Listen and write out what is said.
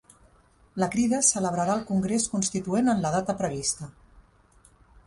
La Crida celebrarà el congrés constituent en la data prevista